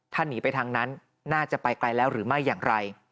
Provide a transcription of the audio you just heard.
ถ้าหนีไปทางนั้นน่าจะไปไกลแล้วหรือไม่อย่างไร